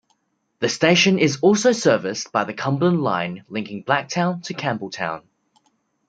The station is also serviced by the Cumberland Line linking Blacktown to Campbelltown.